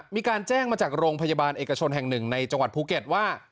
มีการแจ้งมาจากโรงพยาบาลเอกชนแห่งหนึ่งในจังหวัดภูเก็ตว่า